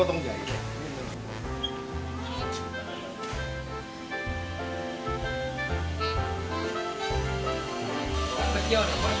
ไข้แยวหน่อย